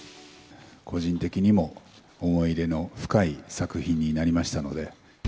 個人的にも思い入れの深い作品になりましたので。